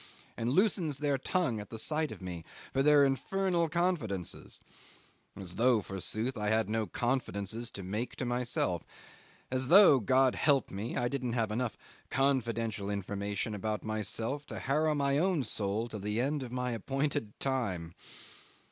and loosens their tongues at the sight of me for their infernal confidences; as though, forsooth, I had no confidences to make to myself, as though God help me! I didn't have enough confidential information about myself to harrow my own soul till the end of my appointed time.